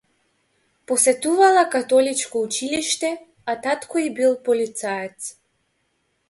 Посетувала католичко училиште, а татко и бил полицаец.